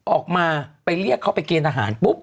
ออกไปไปเรียกเขาไปเกณฑ์ทหารปุ๊บ